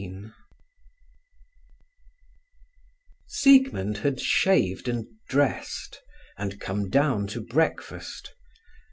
XVIII Siegmund had shaved and dressed, and come down to breakfast.